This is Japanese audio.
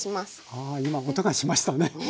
あ今音がしましたね。